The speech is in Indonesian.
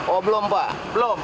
oh belum pak